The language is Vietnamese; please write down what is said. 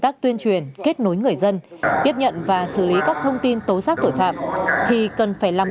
trình truyền kết nối người dân tiếp nhận và xử lý các thông tin tố xác tội phạm thì cần phải làm